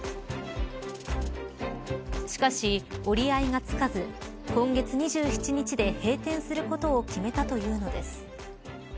しかし、折り合いがつかず今月２７日で閉店することを決めたというのです。